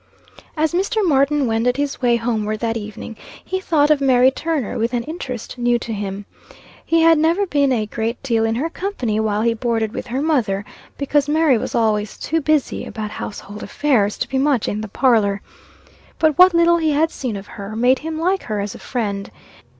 As Mr. Martin wended his way homeward that evening, he thought of Mary Turner with an interest new to him. He had never been a great deal in her company while he boarded with her mother, because Mary was always too busy about household affairs, to be much in the parlor. But what little he had seen of her, made him like her as a friend.